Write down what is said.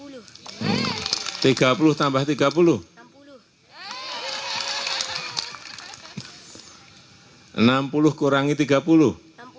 lima belas tambah lima belas tiga puluh